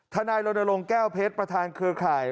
ท่านายโรนโลงแก้วเพชรประธานเครือข่าย